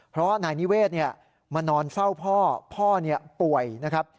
เพราะว่านายนิเวศมานอนเฝ้าพ่อพ่อป่วยนะครับ